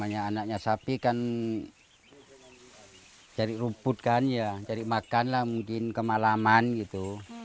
anaknya sapi kan cari rumput kan ya cari makan lah mungkin kemalaman gitu